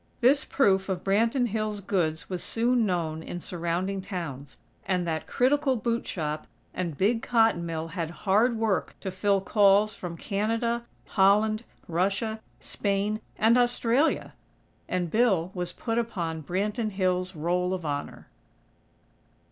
This proof of Branton Hills' goods was soon known in surrounding towns, and that critical boot shop and big cotton mill had hard work to fill calls from Canada, Holland, Russia, Spain and Australia! And Bill was put upon Branton Hills' Roll of Honor.